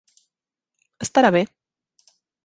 Estarà bé.